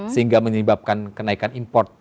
sehingga menyebabkan kenaikan import